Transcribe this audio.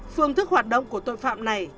phương thức hoạt động của tội phạm này